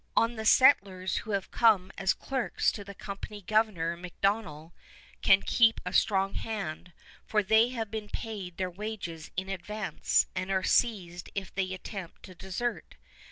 On the settlers who have come as clerks to the Company Governor MacDonell can keep a strong hand, for they have been paid their wages in advance and are seized if they attempt to desert.